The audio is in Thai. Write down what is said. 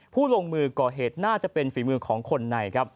ผู้ลงมือก่อเหตุน่าจะเป็นฝีมือของคนในครับ